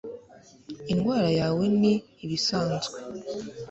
indwara yawe ni ibisanzwe